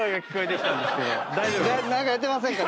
何かやってませんか？